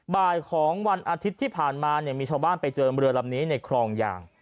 บ่ายของวันอาทิตย์ที่ผ่านมาเนี่ยมีชาวบ้านไปเจอเรือลำนี้ในคลองยาง